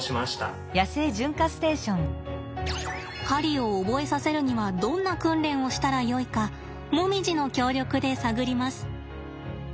狩りを覚えさせるにはどんな訓練をしたらよいかもみじの協力で探ります。